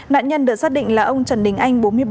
nạn nhân được xác định là ông trần đình anh